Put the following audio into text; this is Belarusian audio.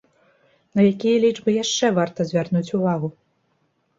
На якія лічбы яшчэ варта звярнуць увагу?